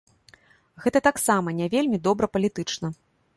Гэта таксама не вельмі добра палітычна.